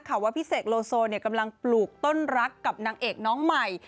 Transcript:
ว่าพี่เสกโลโซกำลังปลูกต้นรักกับนางเอกน้องใหม่